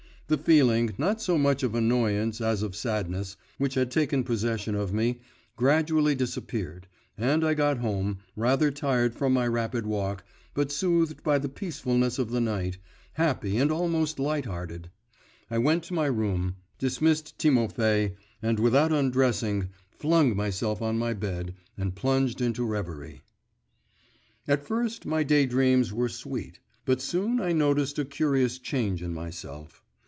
The feeling, not so much of annoyance as of sadness, which had taken possession of me, gradually disappeared, and I got home, rather tired from my rapid walk, but soothed by the peacefulness of the night, happy and almost light hearted. I went to my room, dismissed Timofay, and without undressing, flung myself on my bed and plunged into reverie. At first my day dreams were sweet, but soon I noticed a curious change in myself.